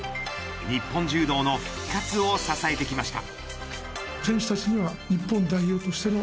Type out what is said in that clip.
日本柔道の復活を支えてきました。